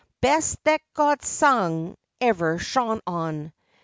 Best that God's sun ever shone on!